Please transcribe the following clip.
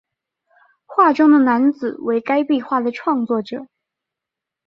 画中的男子为该壁画的创作者。